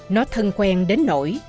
nó thân quen đến nổi